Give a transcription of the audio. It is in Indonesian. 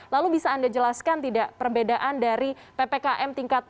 lalu bisa anda jelaskan tidak perbedaan dari ppkm